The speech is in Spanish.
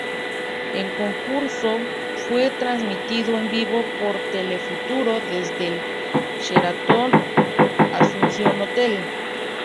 El concurso fue transmitido en vivo por Telefuturo desde el Sheraton Asunción Hotel.